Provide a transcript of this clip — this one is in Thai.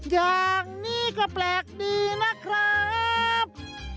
อย่างนี้ก็แปลกดีนะครับ